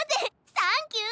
サンキュー！